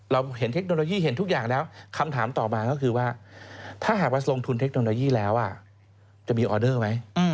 เราเห็นเทคโนโลยีเห็นทุกอย่างแล้วคำถามต่อมาก็คือว่าถ้าหากว่าทรงทุนเทคโนโลยีแล้วจะมีออเดอร์ไหม